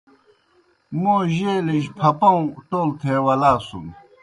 موں جیلِجیْ پھپَؤں ٹول تھے ولاسُن۔